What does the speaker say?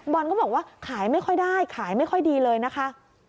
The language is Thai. เขาบอกว่าขายไม่ค่อยได้ขายไม่ค่อยดีเลยนะคะ